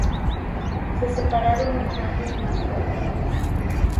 Se separaron ocho años más tarde.